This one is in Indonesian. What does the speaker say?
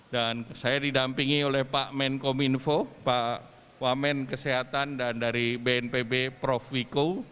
dan saya didampingi oleh pak menkominfo pak wamen kesehatan dan dari bnpb prof wiko